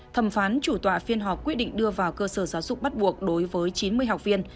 thẩm phán chủ tọa phiên họp quyết định đưa vào cơ sở giáo dục bắt buộc đối với chín mươi học viên